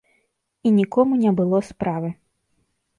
І нікому не было справы.